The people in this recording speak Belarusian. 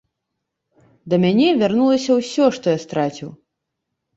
Да мяне вярнулася ўсё, што я страціў.